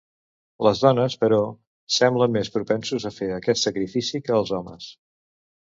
Les dones, però, semblen més propensos a fer aquest sacrifici que els homes.